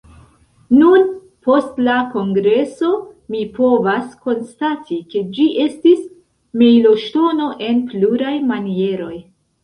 Nun, post la kongreso, mi povas konstati ke ĝi estis mejloŝtono en pluraj manieroj.